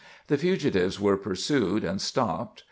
The fugitives were pursued and stopped.